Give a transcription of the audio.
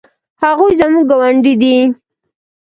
هغوی زموږ ګاونډي دي